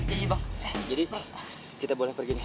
iya bang jadi kita boleh pergi nih